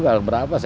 kalau berapa saya